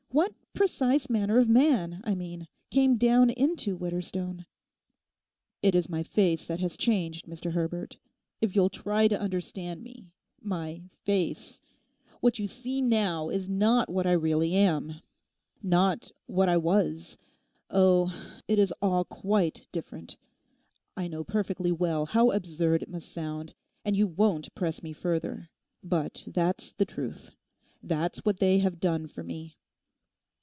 What precise manner of man, I mean, came down into Widderstone?' 'It is my face that is changed, Mr Herbert. If you'll try to understand me—my face. What you see now is not what I really am, not what I was. Oh, it is all quite different. I know perfectly well how absurd it must sound. And you won't press me further. But that's the truth: that's what they have done for me.